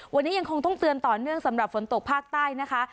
วันนี้ยังคงต้องเตือนต่อเนื่องสำหรับฝนตกภาคใต้นะคะ